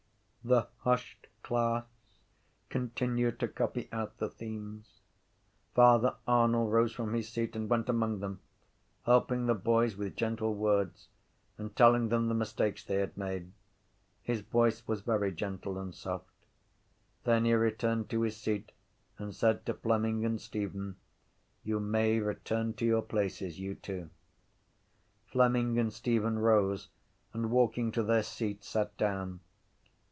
The hushed class continued to copy out the themes. Father Arnall rose from his seat and went among them, helping the boys with gentle words and telling them the mistakes they had made. His voice was very gentle and soft. Then he returned to his seat and said to Fleming and Stephen: —You may return to your places, you two. Fleming and Stephen rose and, walking to their seats, sat down.